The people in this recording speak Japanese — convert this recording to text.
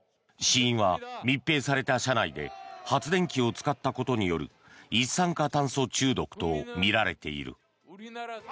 死因は密閉された車内で発電機を使ったことによる一酸化炭素中毒とみられている。